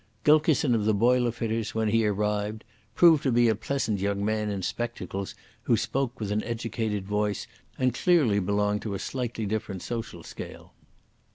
Gilkison of the Boiler fitters, when he arrived, proved to be a pleasant young man in spectacles who spoke with an educated voice and clearly belonged to a slightly different social scale.